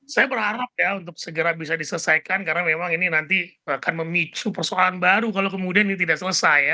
saya berharap ya untuk segera bisa diselesaikan karena memang ini nanti akan memicu persoalan baru kalau kemudian ini tidak selesai ya